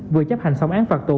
vừa chấp hành xong án phạt tù